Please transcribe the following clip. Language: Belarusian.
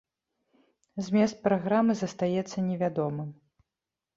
Змест праграмы застаецца невядомым.